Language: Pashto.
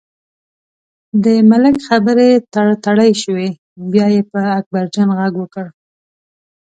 د ملک خبرې تړتړۍ شوې، بیا یې په اکبرجان غږ وکړ.